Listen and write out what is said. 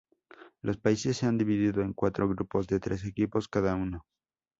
Los países se han dividido en cuatro grupos de tres equipos cada uno.